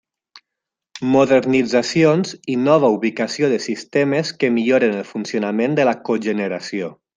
Modernitzacions i nova ubicació de sistemes que milloren el funcionament de la cogeneració.